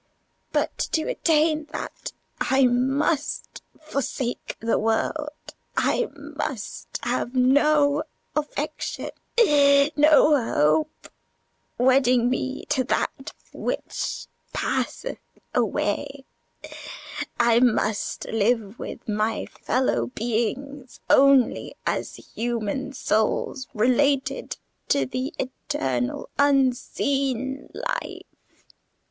But to attain that I must forsake the world: I must have no affection, no hope, wedding me to that which passeth away; I must live with my fellow beings only as human souls related to the eternal unseen life.